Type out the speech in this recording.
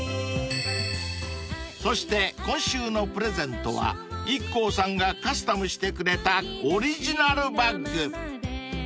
［そして今週のプレゼントはＩＫＫＯさんがカスタムしてくれたオリジナルバッグ］